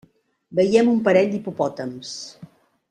Veiem un parell d'hipopòtams.